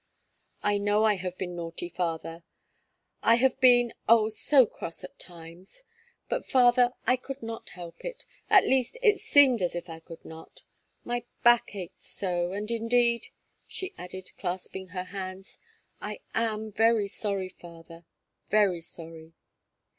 "I know I have been naughty, father; I 'have been,' oh! so cross at times; but, father, I could not help it at least, it seemed as if I could not my back ached so, and indeed," she added, clasping her hands, "I am very sorry, father, very sorry."